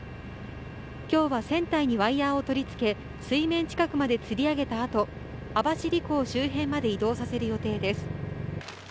きょうは船体にワイヤーを取り付け、水面近くまでつり上げたあと、網走港周辺まで移動させる予定です。